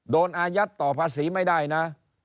อายัดต่อภาษีไม่ได้นะ